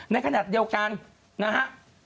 ในขณะเดียวกันนะฮะ